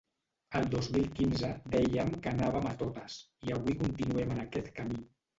El dos mil quinze dèiem que anàvem a totes, i avui continuem en aquest camí.